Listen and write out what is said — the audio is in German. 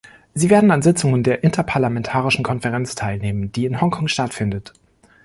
Sie werden an Sitzungen der interparlamentarischen Konferenz teilnehmen, die in Hongkong stattfindet.